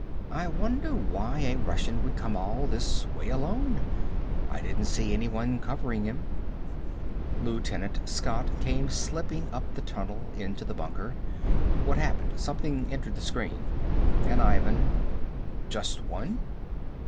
"I wonder why a Russian would come all this way alone. I didn't see anyone covering him." Lt. Scott came slipping up the tunnel, into the bunker. "What happened? Something entered the screen." "An Ivan." "Just one?"